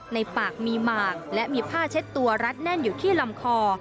ในปากมีหมากและมีผ้าเช็ดตัวรัดแน่นอยู่ที่ลำคอ